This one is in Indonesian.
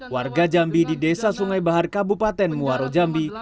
warga jambi di desa sungai bahar kabupaten muaro jambi